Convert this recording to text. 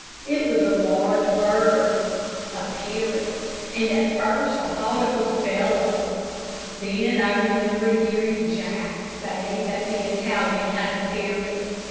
It was a large bird a parrot, and at first I thought it was Bella. Then I remembered hearing Jack say that the Italian had a parrot.